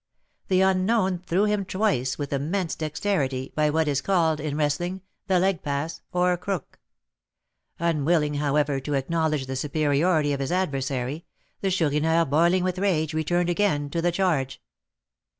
The unknown threw him twice with immense dexterity, by what is called, in wrestling, the leg pass, or crook. Unwilling, however, to acknowledge the superiority of his adversary, the Chourineur, boiling with rage, returned again to the charge.